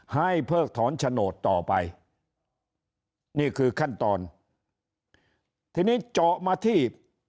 เพิกถอนโฉนดต่อไปนี่คือขั้นตอนทีนี้เจาะมาที่